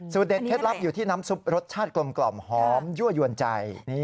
เด็ดเคล็ดลับอยู่ที่น้ำซุปรสชาติกลมหอมยั่วยวนใจ